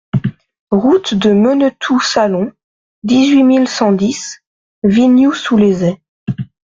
Route de Menetou-Salon, dix-huit mille cent dix Vignoux-sous-les-Aix